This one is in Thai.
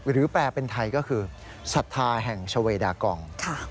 หรือแปลเป็นไทยก็คือสัตว์ธาแห่งชาเวดากอง